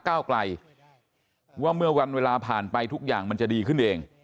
ก้าวไกลว่าเมื่อวันเวลาผ่านไปทุกอย่างมันจะดีขึ้นเอง